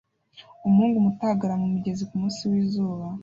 Umuhungu muto ahagarara mumigezi kumunsi wizuba